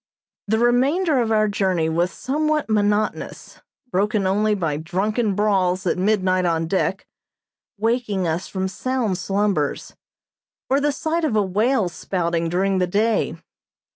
The remainder of our journey was somewhat monotonous, broken only by drunken brawls at midnight on deck, waking us from sound slumbers; or the sight of a whale spouting during the day.